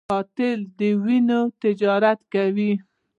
قاتل د وینو تجارت کوي